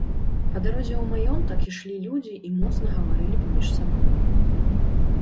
Па дарозе ў маёнтак ішлі людзі і моцна гаварылі паміж сабою.